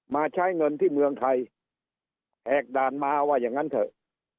ใช้เงินที่เมืองไทยแหกด่านมาว่าอย่างนั้นเถอะ